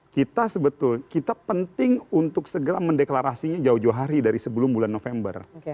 kita sebetulnya kita penting untuk segera mendeklarasinya jauh jauh hari dari sebelum bulan november